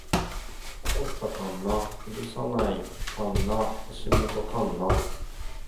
起こった神無許さない神無橋本神無